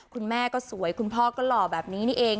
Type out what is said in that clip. คุณแม่ก็สวยคุณพ่อก็หล่อแบบนี้นี่เอง